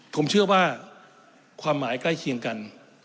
ผมเชื่อว่าความหมายใกล้เคียงกัน